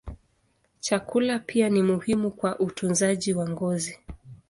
Chakula pia ni muhimu kwa utunzaji wa ngozi.